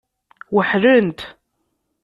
Weḥlent.